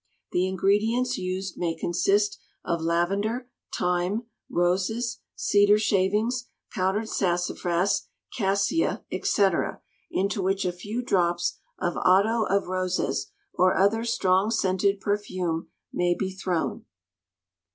The ingredients used may consist of lavender, thyme, roses, cedar shavings, powdered sassafras, cassia, &c., into which a few drops of otto of roses, or other strong scented perfume may be thrown.